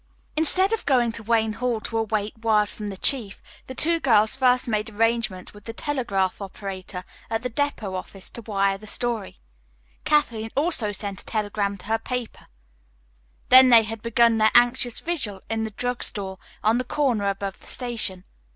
Instead of going to Wayne Hall to await word from the chief, the two girls first made arrangements with the telegraph operator at the depot office to wire the story. Kathleen also sent a telegram to her paper. Then they had begun their anxious vigil in the drug store on the corner above the station.